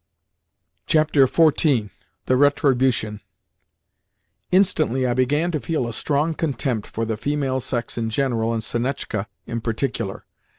XIV. THE RETRIBUTION Instantly, I began to feel a strong contempt for the female sex in general and Sonetchka in particular.